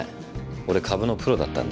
俺株のプロだったんで。